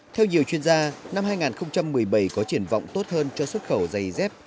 theo nhiều chuyên gia năm hai nghìn một mươi bảy có triển vọng tốt hơn cho xuất khẩu dây dép